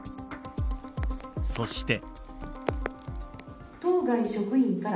そして。